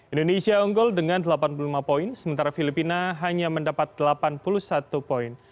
indonesia unggul dengan delapan puluh lima poin sementara filipina hanya mendapat delapan puluh satu poin